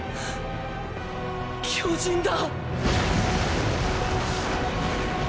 巨人だ！